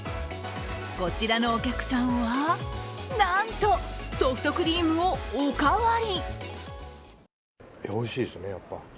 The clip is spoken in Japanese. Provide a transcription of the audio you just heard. こちらのお客さんは、なんとソフトクリームをおかわり。